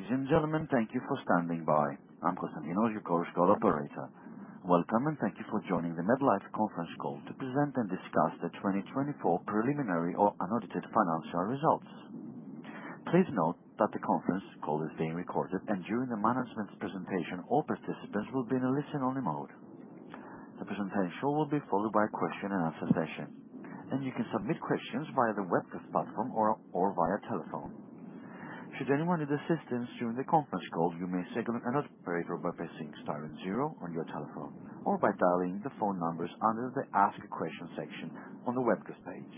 Ladies and gentlemen, thank you for standing by. I'm Konstantinos Yukoros, call operator. Welcome, and thank you for joining the MedLife Conference Call to present and discuss the 2024 preliminary or unedited financial results. Please note that the Conference Call is being recorded, and during the management's presentation, all participants will be in a listen-only mode. The presentation will be followed by a question-and-answer session, and you can submit questions via the webcast platform or via telephone. Should anyone need assistance during the Conference Call, you may signal an operator by pressing star and zero on your telephone or by dialing the phone numbers under the Ask Questions section on the webcast page.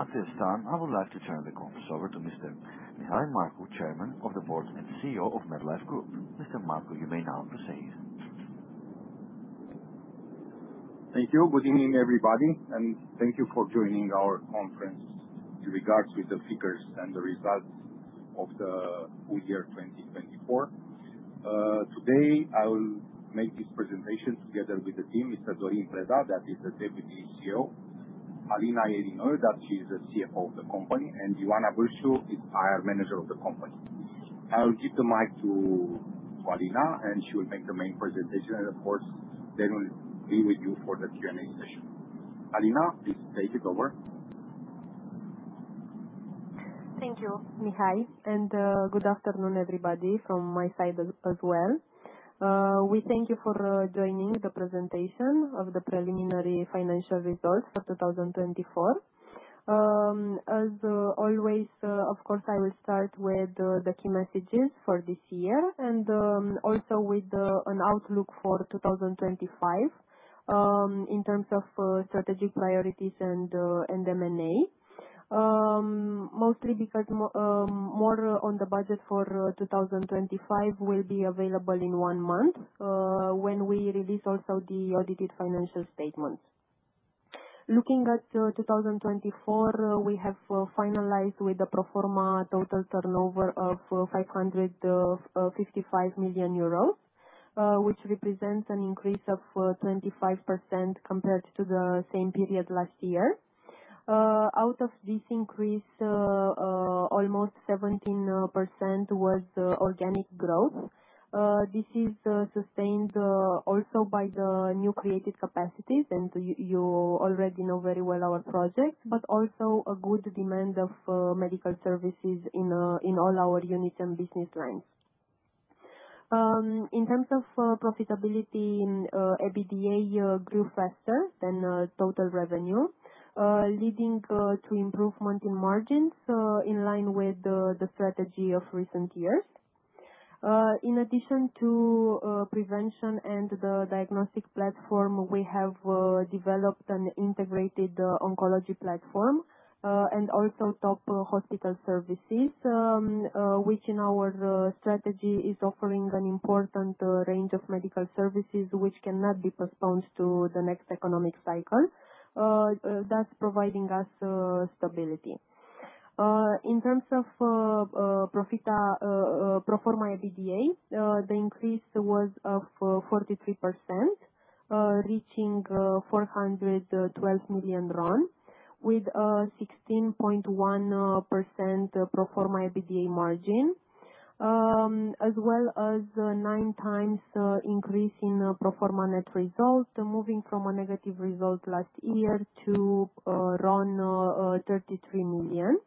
At this time, I would like to turn the conference over to Mr. Mihail Marcu, Chairman of the Board and CEO of MedLife Group. Mr. Marcu, you may now proceed. Thank you. Good evening, everybody, and thank you for joining our conference. Regards with the figures and the results of the full year 2024. Today, I will make this presentation together with the team, Mr. Dorin Preda, that is the Deputy CEO; Alina Irinoiu, that she is the CFO of the company; and Ioana Birsu, HR Manager of the company. I will give the mic to Alina, and she will make the main presentation, and of course, then we'll be with you for the Q&A session. Alina, please take it over. Thank you, Mihail, and good afternoon, everybody, from my side as well. We thank you for joining the presentation of the preliminary financial results for 2024. As always, of course, I will start with the key messages for this year and also with an outlook for 2025 in terms of strategic priorities and M&A, mostly because more on the budget for 2025 will be available in one month when we release also the audited financial statements. Looking at 2024, we have finalized with a pro forma total turnover of RON 555 million, which represents an increase of 25% compared to the same period last year. Out of this increase, almost 17% was organic growth. This is sustained also by the new created capacities, and you already know very well our projects, but also a good demand of medical services in all our units and business lines. In terms of profitability, EBITDA grew faster than total revenue, leading to improvement in margins in line with the strategy of recent years. In addition to prevention and the diagnostic platform, we have developed an integrated oncology platform and also top hospital services, which in our strategy is offering an important range of medical services which cannot be postponed to the next economic cycle, thus providing us stability. In terms of pro forma EBITDA, the increase was of 43%, reaching RON 412 million with a 16.1% pro forma EBITDA margin, as well as a nine-times increase in pro forma net result, moving from a negative result last year to RON 33 million,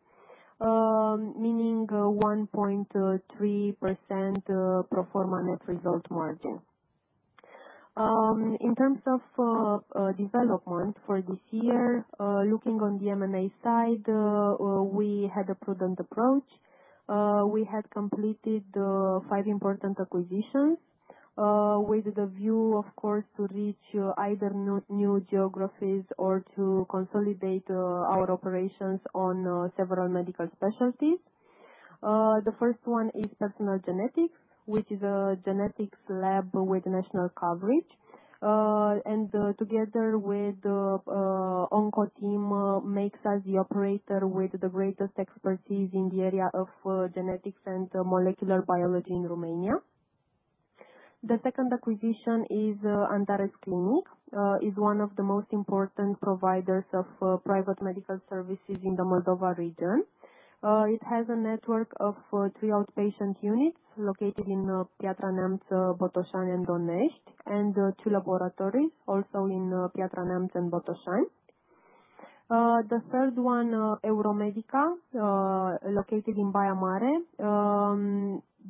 meaning 1.3% pro forma net result margin. In terms of development for this year, looking on the M&A side, we had a prudent approach. We had completed five important acquisitions with the view, of course, to reach either new geographies or to consolidate our operations on several medical specialties. The first one is Personal Genetics, which is a genetics lab with national coverage, and together with the Onco team, makes us the operator with the greatest expertise in the area of genetics and molecular biology in Romania. The second acquisition is Antares Clinic, which is one of the most important providers of private medical services in the Moldova region. It has a network of three outpatient units located in Piatra Neamț, Botoșani and Donești, and two laboratories also in Piatra Neamț and Botoșani. The third one, Euromedica, located in Baia Mare,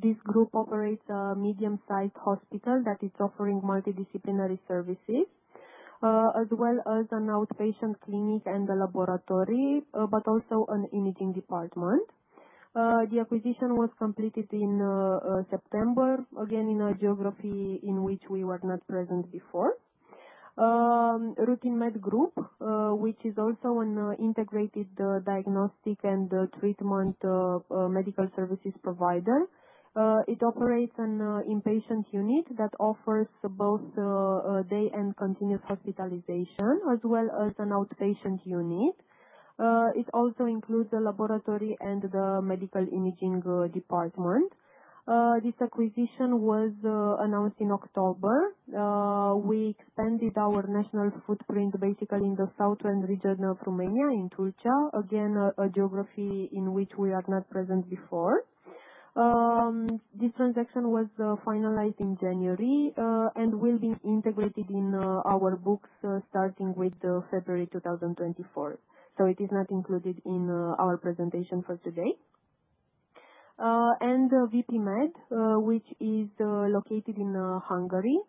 this group operates a medium-sized hospital that is offering multidisciplinary services, as well as an outpatient clinic and a laboratory, but also an imaging department. The acquisition was completed in September, again in a geography in which we were not present before. RoutineMed Group, which is also an integrated diagnostic and treatment medical services provider, operates an inpatient unit that offers both day and continuous hospitalization, as well as an outpatient unit. It also includes a laboratory and the medical imaging department. This acquisition was announced in October. We expanded our national footprint basically in the southern region of Romania, in Tulcea, again a geography in which we were not present before. This transaction was finalized in January and will be integrated in our books starting with February 2024, so it is not included in our presentation for today. VP Med, which is located in Hungary,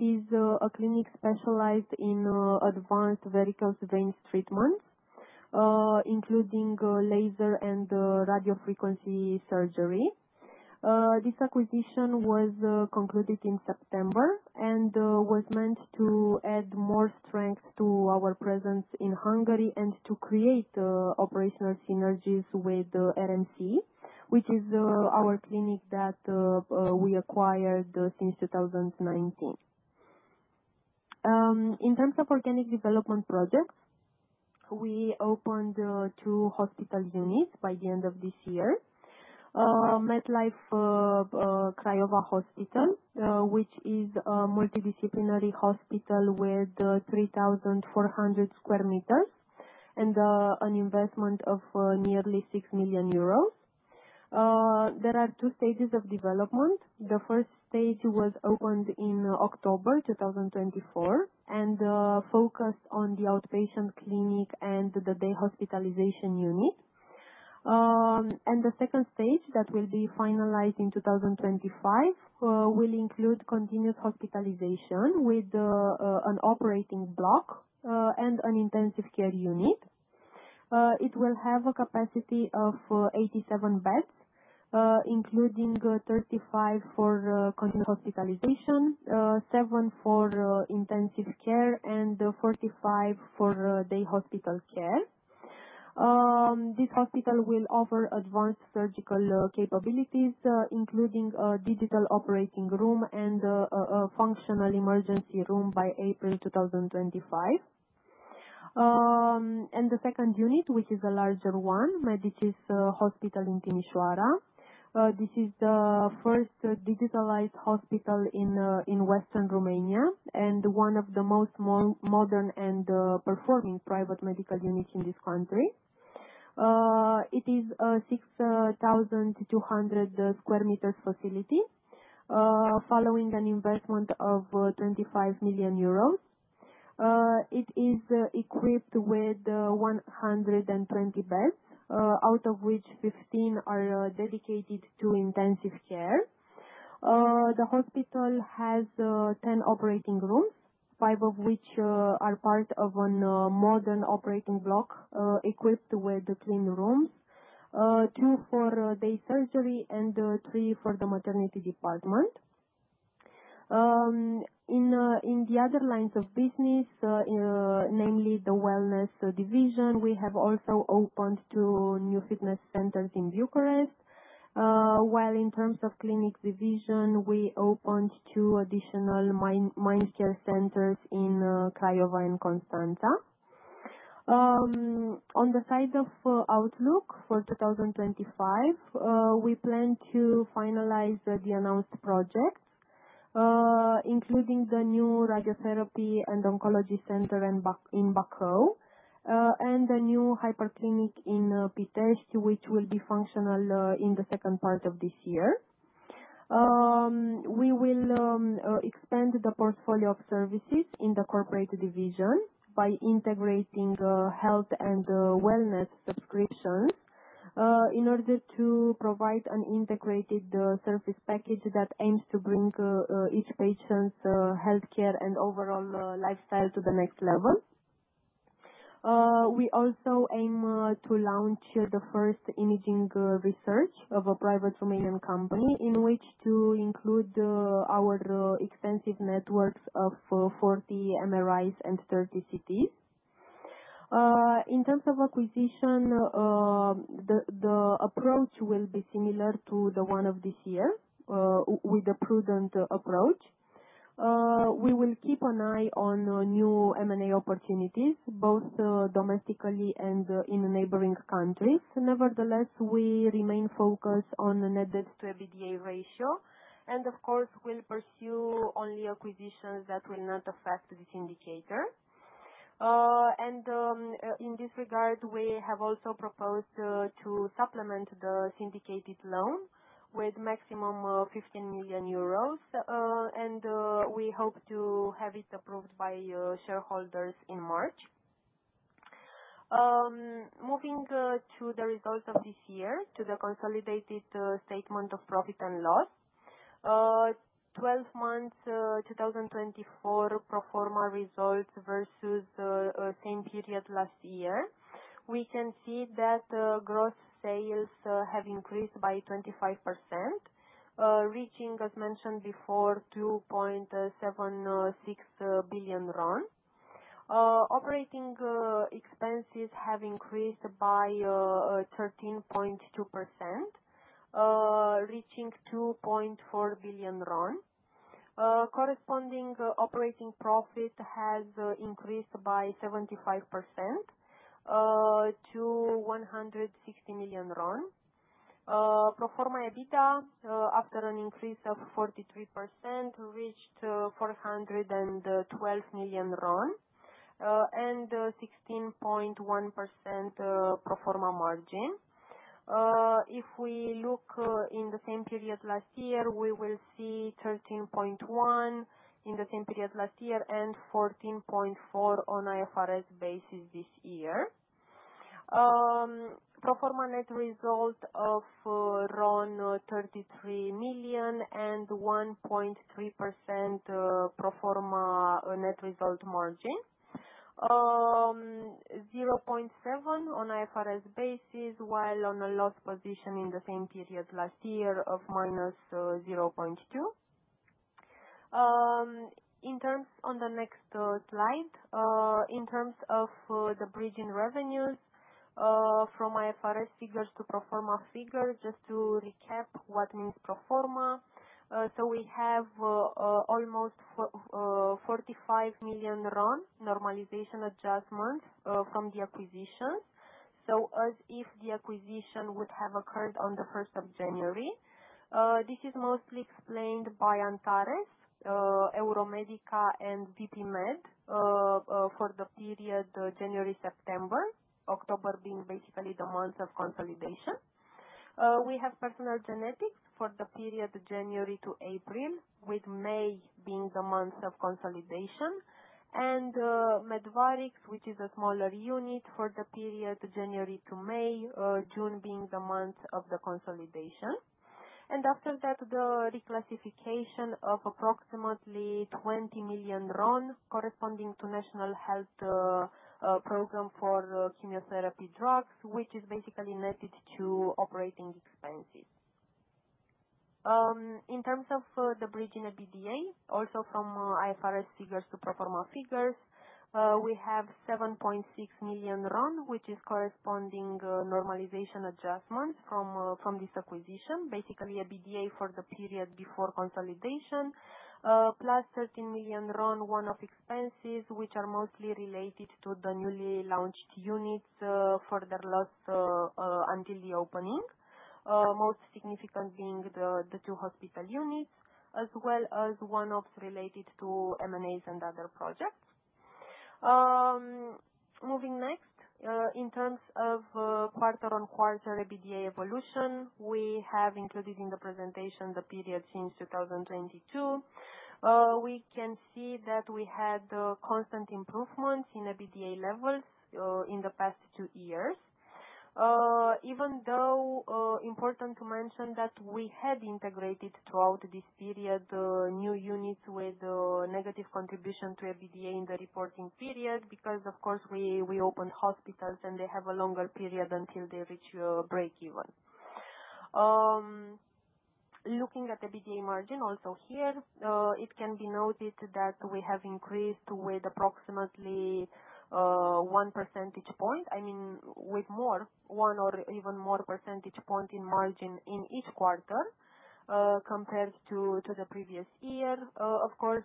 is a clinic specialized in advanced varicose veins treatments, including laser and radiofrequency surgery. This acquisition was concluded in September and was meant to add more strength to our presence in Hungary and to create operational synergies with RMC, which is our clinic that we acquired since 2019. In terms of organic development projects, we opened two hospital units by the end of this year: MedLife Craiova Hospital, which is a multidisciplinary hospital with 3,400 sq m and an investment of nearly RON 6 million. There are two stages of development. The first stage was opened in October 2024 and focused on the outpatient clinic and the day hospitalization unit. The second stage that will be finalized in 2025 will include continuous hospitalization with an operating block and an intensive care unit. It will have a capacity of 87 beds, including 35 for continuous hospitalization, 7 for intensive care, and 45 for day hospital care. This hospital will offer advanced surgical capabilities, including a digital operating room and a functional emergency room by April 2025. The second unit, which is a larger one, Medici's Hospital in Timișoara, is the first digitalized hospital in western Romania and one of the most modern and performing private medical units in this country. It is a 6,200 sq m facility following an investment of RON 25 million. It is equipped with 120 beds, out of which 15 are dedicated to intensive care. The hospital has 10 operating rooms, five of which are part of a modern operating block equipped with clean rooms, two for day surgery, and three for the maternity department. In the other lines of business, namely the wellness division, we have also opened two new fitness centers in Bucharest, while in terms of clinic division, we opened two additional Mind Care centers in Craiova and Constanța. On the side of outlook for 2025, we plan to finalize the announced projects, including the new radiotherapy and oncology center in Bacău and the new hyperclinic in Pitești, which will be functional in the second part of this year. We will expand the portfolio of services in the corporate division by integrating health and wellness subscriptions in order to provide an integrated service package that aims to bring each patient's healthcare and overall lifestyle to the next level. We also aim to launch the first imaging research of a private Romanian company in which to include our extensive networks of 40 MRIs and 30 CTs. In terms of acquisition, the approach will be similar to the one of this year with a prudent approach. We will keep an eye on new M&A opportunities, both domestically and in neighboring countries. Nevertheless, we remain focused on net debt to EBITDA ratio and, of course, we'll pursue only acquisitions that will not affect this indicator. In this regard, we have also proposed to supplement the syndicated loan with a maximum of RON 15 million, and we hope to have it approved by shareholders in March. Moving to the results of this year, to the consolidated statement of profit and loss, 12 months 2024 pro forma results versus the same period last-year, we can see that gross sales have increased by 25%, reaching, as mentioned before, RON 2.76 billion. Operating expenses have increased by 13.2%, reaching RON 2.4 billion. Corresponding operating profit has increased by 75% to RON 160 million. Pro forma EBITDA, after an increase of 43%, reached RON 412 million and 16.1% pro forma margin. If we look in the same period last-year, we will see 13.1% in the same period last-year and 14.4% on IFRS basis this year. Pro forma net result of RON 33 million and 1.3% pro forma net result margin, 0.7% on IFRS basis, while on a loss position in the same period last-year of minus 0.2%. On the next slide, in terms of the bridging revenues from IFRS figures to pro forma figures, just to recap what means pro forma, so we have almost RON 45 million normalization adjustment from the acquisitions, so as if the acquisition would have occurred on the 1st of January. This is mostly explained by Antares Clinic, Euromedica, and VP Med for the period January-September, October being basically the month of consolidation. We have Personal Genetics for the period January to April, with May being the month of consolidation, and MedVarix, which is a smaller unit, for the period January to May, June being the month of the consolidation. After that, the reclassification of approximately RON 20 million corresponding to national health program for chemotherapy drugs, which is basically netted to operating expenses. In terms of the bridging EBITDA, also from IFRS figures to pro forma figures, we have RON 7.6 million, which is corresponding normalization adjustment from this acquisition, basically EBITDA for the period before consolidation, plus RON 13 million one-off expenses, which are mostly related to the newly launched units further lost until the opening, most significant being the two hospital units, as well as one-offs related to M&A and other projects. Moving next, in terms of quarter-on-quarter EBITDA evolution, we have included in the presentation the period since 2022. We can see that we had constant improvements in EBITDA levels in the past two years, even though important to mention that we had integrated throughout this period new units with negative contribution to EBITDA in the reporting period because, of course, we opened hospitals and they have a longer period until they reach break-even. Looking at EBITDA margin also here, it can be noted that we have increased with approximately one percentage point, I mean with more, one or even more percentage point in margin in each quarter compared to the previous year, of course,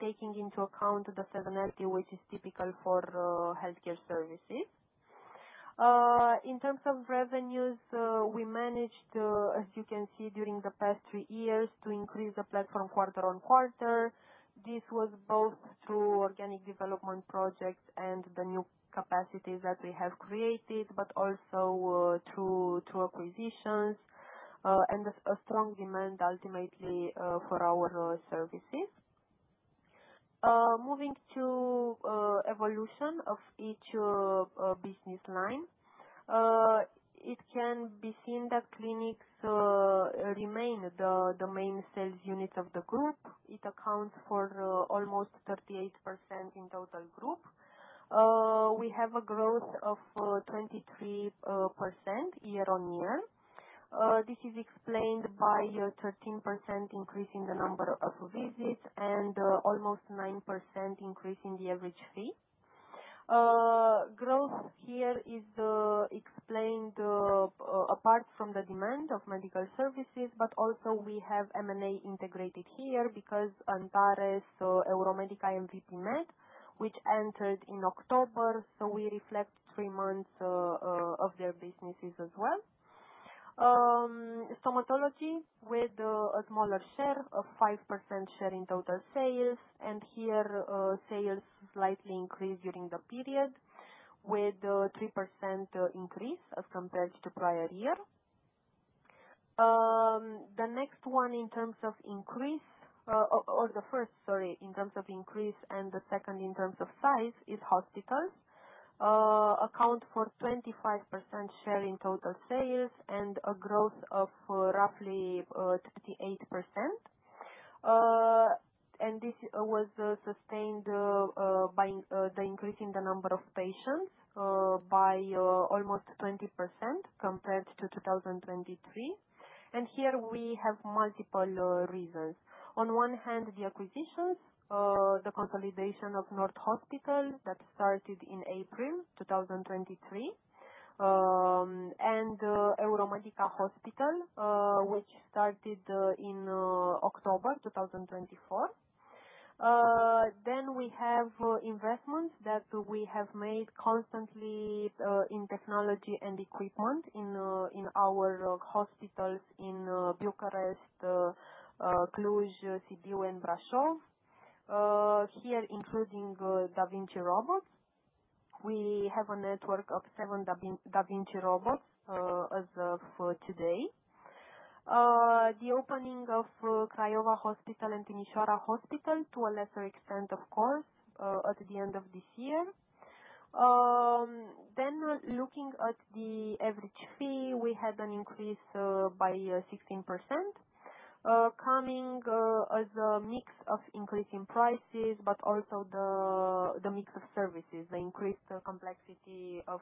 taking into account the seasonality, which is typical for healthcare services. In terms of revenues, we managed, as you can see, during the past three years to increase the platform quarter-on-quarter. This was both through organic development projects and the new capacities that we have created, but also through acquisitions and a strong demand ultimately for our services. Moving to evolution of each business line, it can be seen that clinics remain the main sales units of the group. It accounts for almost 38% in total group. We have a growth of 23% year-on-year. This is explained by a 13% increase in the number of visits and almost 9% increase in the average fee. Growth here is explained apart from the demand of medical services, but also we have M&A integrated here because Antares, Euromedica, and VP Med, which entered in October, so we reflect three months of their businesses as well. Stomatology with a smaller share of 5% share in total sales, and here sales slightly increased during the period with a 3% increase as compared to the prior-year. The next one in terms of increase, or the first, sorry, in terms of increase and the second in terms of size is hospitals, account for 25% share in total sales and a growth of roughly 38%. This was sustained by the increase in the number of patients by almost 20% compared to 2023. Here we have multiple reasons. On one hand, the acquisitions, the consolidation of North Hospital that started in April 2023, and Euromedica Hospital, which started in October 2024. We have investments that we have made constantly in technology and equipment in our hospitals in Bucharest, Cluj, Sibiu, and Brașov, here including Da Vinci Robots. We have a network of seven Da Vinci Robots as of today. The opening of Craiova Hospital and Timișoara Hospital to a lesser extent, of course, at the end of this year. Looking at the average fee, we had an increase by 16% coming as a mix of increasing prices, but also the mix of services, the increased complexity of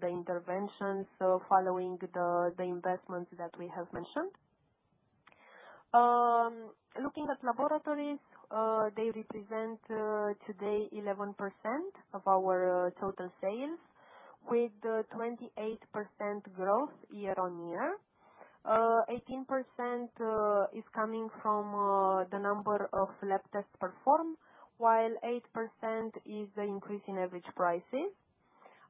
the interventions following the investments that we have mentioned. Looking at laboratories, they represent today 11% of our total sales with 28% growth year-on-year. 18% is coming from the number of lab tests performed, while 8% is the increase in average prices.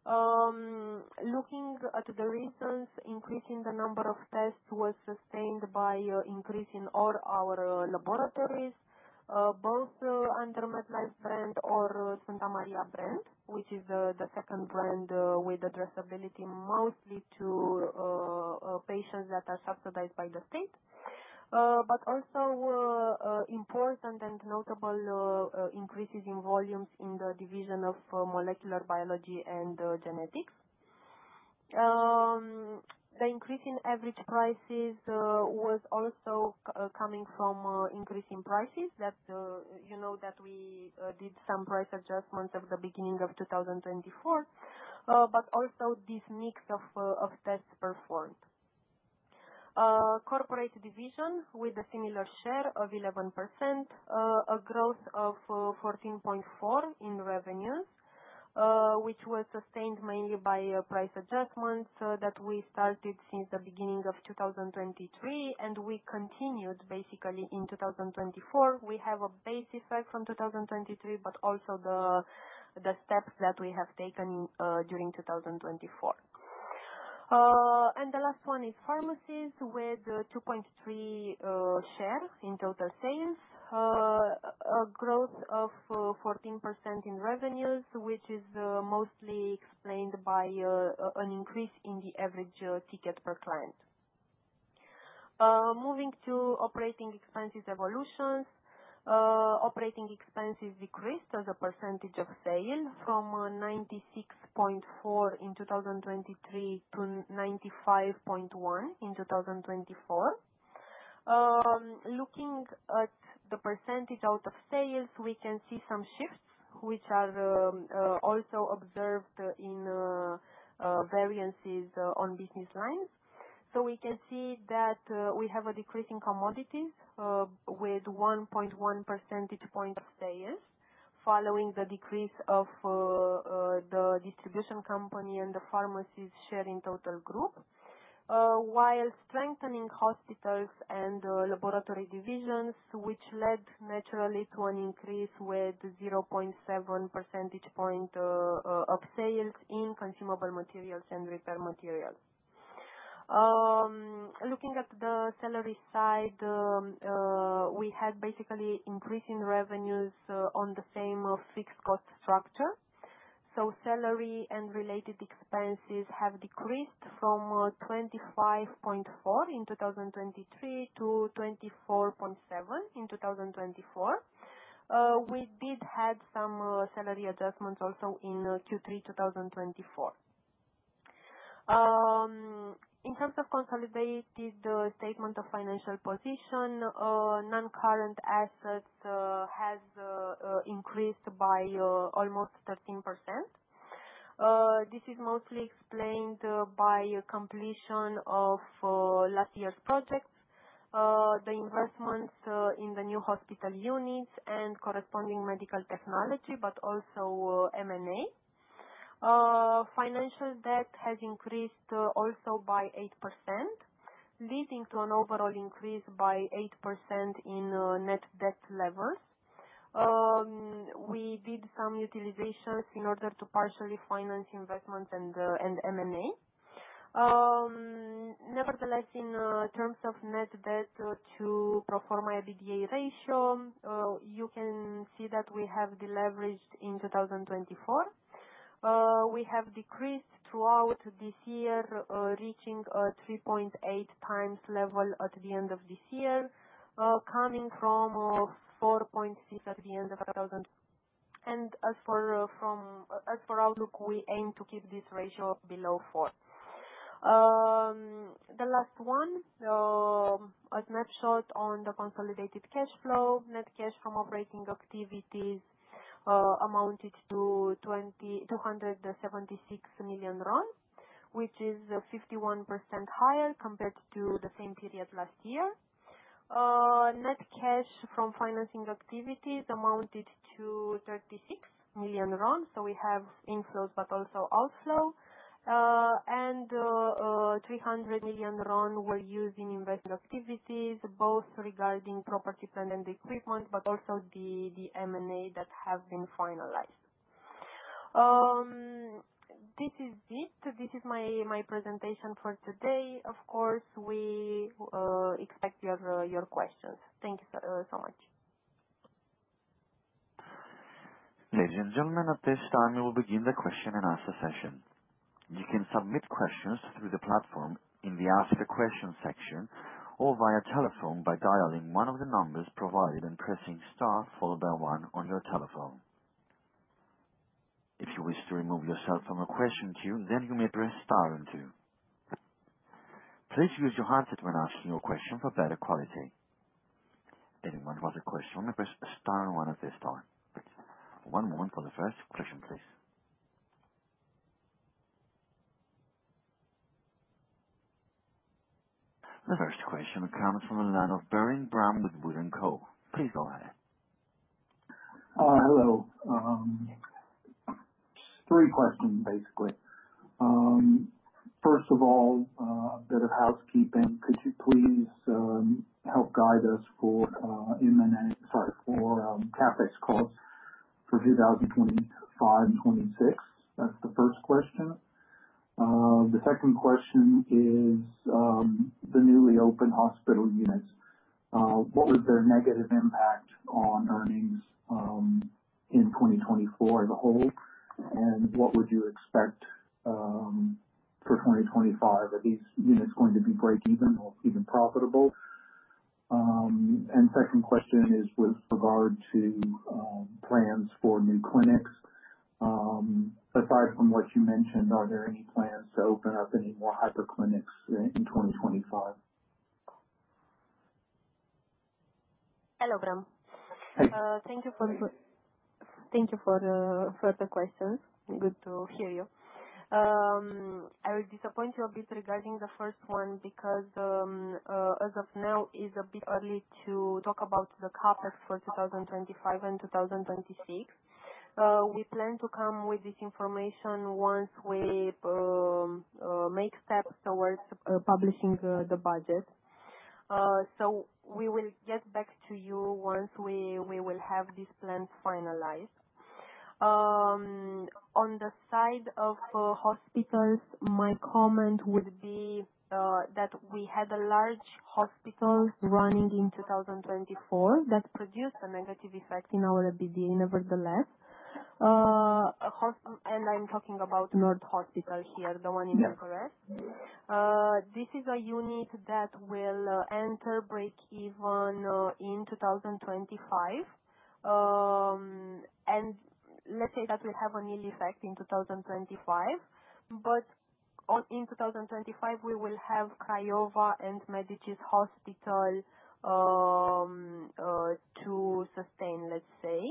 Looking at the reasons, increasing the number of tests was sustained by increasing all our laboratories, both under MedLife brand or Santa Maria brand, which is the second brand with addressability mostly to patients that are subsidized by the state, but also important and notable increases in volumes in the division of molecular biology and genetics. The increase in average prices was also coming from increasing prices that, you know, we did some price adjustments at the beginning of 2024, but also this mix of tests performed. Corporate division with a similar share of 11%, a growth of 14.4% in revenues, which was sustained mainly by price adjustments that we started since the beginning of 2023, and we continued basically in 2024. We have a base effect from 2023, but also the steps that we have taken during 2024. The last one is pharmacies with 2.3% share in total sales, a growth of 14% in revenues, which is mostly explained by an increase in the average ticket per client. Moving to operating expenses evolutions, operating expenses decreased as a percentage of sale from 96.4% in 2023-95.1% in 2024. Looking at the percentage out of sales, we can see some shifts which are also observed in variances on business lines. We can see that we have a decrease in commodities with 1.1 percentage point of sales following the decrease of the distribution company and the pharmacy's share in total group, while strengthening hospitals and laboratory divisions, which led naturally to an increase with 0.7 percentage point of sales in consumable materials and repair materials. Looking at the salary side, we had basically increasing revenues on the same fixed cost structure. Salary and related expenses have decreased from 25.4% in 2023-24.7% in 2024. We did have some salary adjustments also in Q3 2024. In terms of consolidated statement of financial position, non-current assets have increased by almost 13%. This is mostly explained by completion of last year's projects, the investments in the new hospital units, and corresponding medical technology, but also M&A. Financial debt has increased also by 8%, leading to an overall increase by 8% in net debt levels. We did some utilizations in order to partially finance investments and M&A. Nevertheless, in terms of net debt to pro forma EBITDA ratio, you can see that we have deleveraged in 2024. We have decreased throughout this year, reaching a 3.8 times level at the end of this year, coming from 4.6 at the end of. As for outlook, we aim to keep this ratio below 4. The last one, a snapshot on the consolidated cash flow, net cash from operating activities amounted to RON 276 million, which is 51% higher compared to the same period last year. Net cash from financing activities amounted to RON 36 million, so we have inflows but also outflow. RON 300 million were used in investment activities, both regarding property, plant and equipment, but also the M&A that have been finalized. This is it. This is my presentation for today. Of course, we expect your questions. Thank you so much. Ladies and gentlemen, at this time, we will begin the question and answer session. You can submit questions through the platform in the Ask a Question section or via telephone by dialing one of the numbers provided and pressing star followed by One on your telephone. If you wish to remove yourself from a question queue, then you may press star and Two. Please use your hands when asking your question for better quality. Anyone who has a question may press star and One at this time. One moment for the first question, please. The first question comes from the line of Graham Brown with Wood & Co. Please go ahead. Hello. Three questions, basically. First of all, a bit of housekeeping. Could you please help guide us for M&A, sorry, for CapEx calls for 2025 and 2026? That's the first question. The second question is the newly opened hospital units. What was their negative impact on earnings in 2024 as a whole? What would you expect for 2025? Are these units going to be break-even or even profitable? The second question is with regard to plans for new clinics. Aside from what you mentioned, are there any plans to open up any more hyperclinics in 2025? Hello, Graham. Thank you for the questions. Good to hear you. I will disappoint you a bit regarding the first one because, as of now, it's a bit early to talk about the CapEx for 2025 and 2026. We plan to come with this information once we make steps towards publishing the budget. We will get back to you once we will have this plan finalized. On the side of hospitals, my comment would be that we had a large hospital running in 2024 that produced a negative effect in our EBITDA nevertheless. I am talking about North Hospital here, the one in Bucharest. This is a unit that will enter break-even in 2025. Let's say that we have a neat effect in 2025. In 2025, we will have Craiova and Medici's Hospital to sustain, let's say.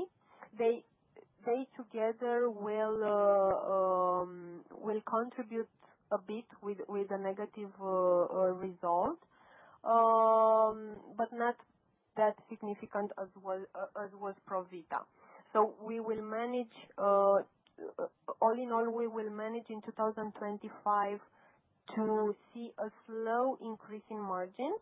They together will contribute a bit with a negative result, but not that significant as was Pro Vita. All in all, we will manage in 2025 to see a slow increase in margin,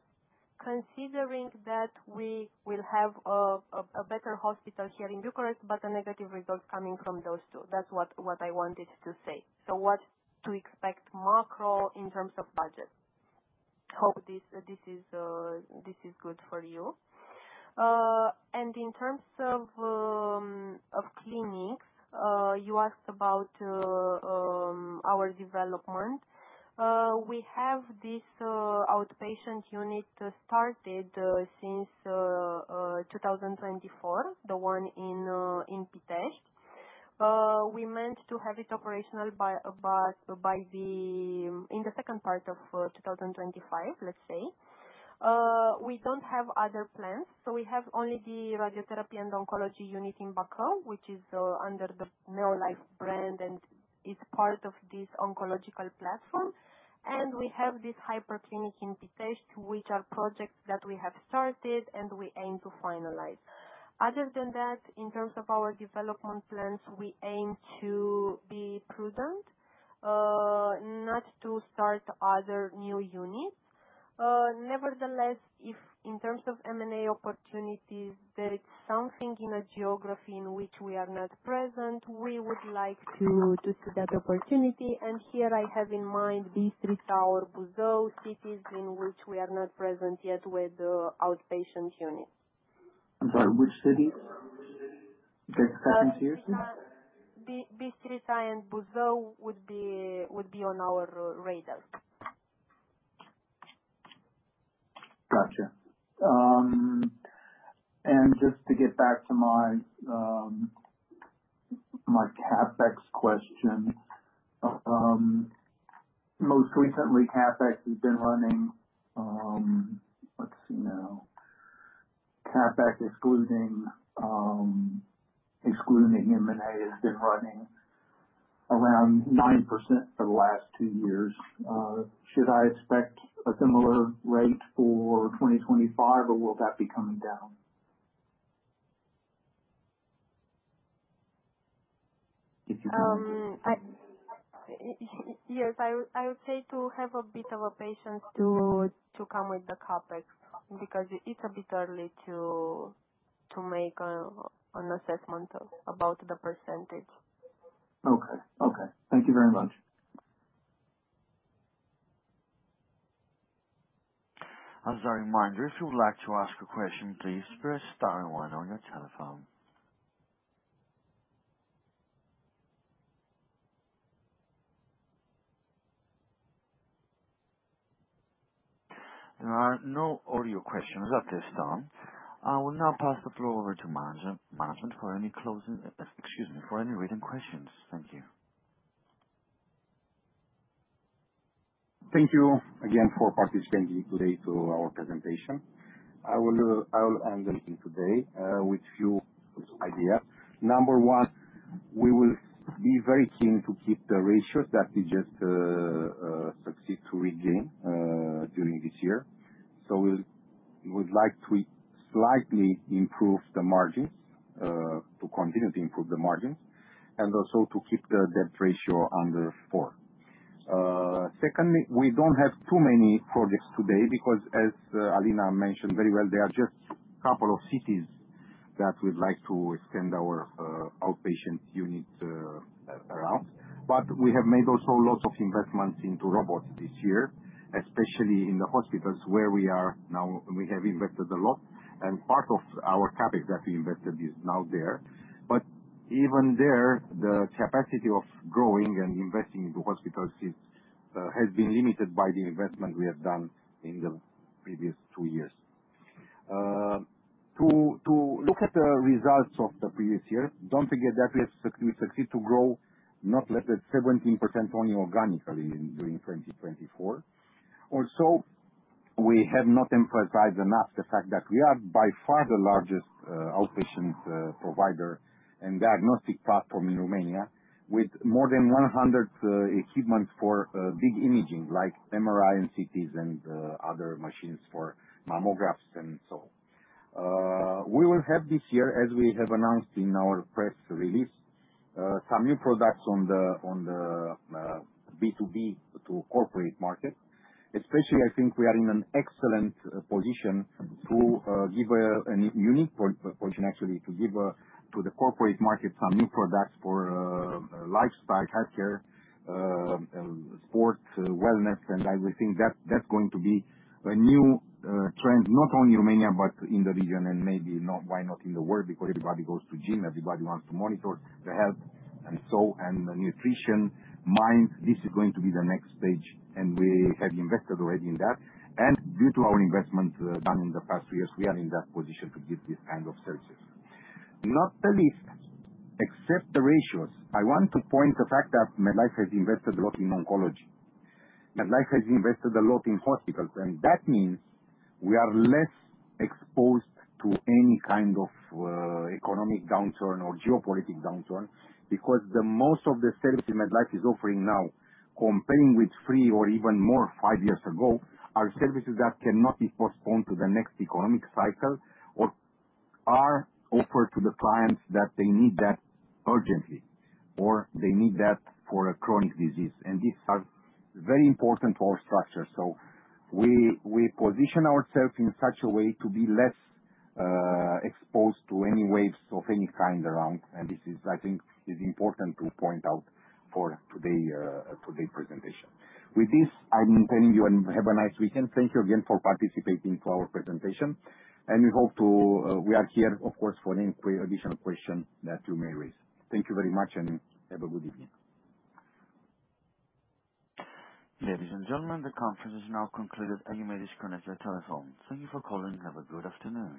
considering that we will have a better hospital here in Bucharest, but a negative result coming from those two. That's what I wanted to say. What to expect macro in terms of budget. Hope this is good for you. In terms of clinics, you asked about our development. We have this outpatient unit started since 2024, the one in Pitești. We meant to have it operational by the second part of 2025, let's say. We don't have other plans. We have only the radiotherapy and oncology unit in Bacău, which is under MedLife Brand and is part of this oncological platform. We have this hyperclinic in Pitești, which are projects that we have started and we aim to finalize. Other than that, in terms of our development plans, we aim to be prudent, not to start other new units. Nevertheless, if in terms of M&A opportunities, there is something in a geography in which we are not present, we would like to see that opportunity. Here I have in mind Bistrița or Buzău, cities in which we are not present yet with outpatient units. I'm sorry. Which cities? Bistrița and Buzău would be on our radar. Gotcha. Just to get back to my CapEx question, most recently, CapEx has been running, let's see now. CapEx excluding M&A has been running around 9% for the last two years. Should I expect a similar rate for 2025, or will that be coming down? If you can answer. Yes. I would say to have a bit of patience to come with the CapEx because it's a bit early to make an assessment about the percentage. Okay. Okay. Thank you very much. As I remind you, if you would like to ask a question, please press star and One on your telephone. There are no audio questions at this time. I will now pass the floor over to management for any closing, excuse me, for any written questions. Thank you. Thank you again for participating today to our presentation. I will end today with a few ideas. Number one, we will be very keen to keep the ratios that we just succeeded to regain during this year. We would like to slightly improve the margins to continue to improve the margins and also to keep the debt ratio under four. Secondly, we do not have too many projects today because, as Alina mentioned very well, there are just a couple of cities that we would like to extend our outpatient unit around. We have made also lots of investments into robots this year, especially in the hospitals where we are now. We have invested a lot. Part of our CapEx that we invested is now there. Even there, the capacity of growing and investing into hospitals has been limited by the investment we have done in the previous two years. To look at the results of the previous year, do not forget that we succeeded to grow, not less than 17% only organically during 2024. Also, we have not emphasized enough the fact that we are by far the largest outpatient provider and diagnostic platform in Romania with more than 100 equipments for big imaging like MRI and CTs and other machines for mammographs and so on. We will have this year, as we have announced in our press release, some new products on the B2B to corporate market. Especially, I think we are in an excellent position to give a unique position, actually, to give to the corporate market some new products for lifestyle, healthcare, sports, wellness. I think that's going to be a new trend, not only in Romania but in the region and maybe why not in the world because everybody goes to the gym, everybody wants to monitor their health and so on, and nutrition, mind. This is going to be the next stage, and we have invested already in that. Due to our investment done in the past two years, we are in that position to give this kind of services. Not the least, except the ratios, I want to point the fact that MedLife has invested a lot in oncology. MedLife has invested a lot in hospitals. That means we are less exposed to any kind of economic downturn or geopolitical downturn because most of the services MedLife is offering now, comparing with three or even more five years ago, are services that cannot be postponed to the next economic cycle or are offered to the clients that they need that urgently or they need that for a chronic disease. These are very important to our structure. We position ourselves in such a way to be less exposed to any waves of any kind around. This, I think, is important to point out for today's presentation. With this, I am telling you, have a nice weekend. Thank you again for participating in our presentation. We hope to, we are here, of course, for any additional questions that you may raise. Thank you very much and have a good evening. Ladies and gentlemen, the conference is now concluded. You may disconnect your telephone. Thank you for calling. Have a good afternoon.